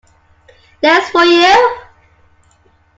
There's for you!